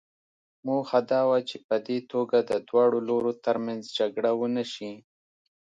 موخه دا وه چې په دې توګه د دواړو لورو ترمنځ جګړه ونه شي.